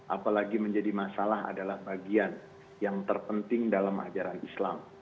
apalagi menjadi masalah adalah bagian yang terpenting dalam ajaran islam